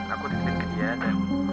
aku disini ke dia dan